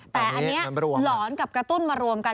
แต่อันนี้หลอนกับกระตุ้นมารวมกัน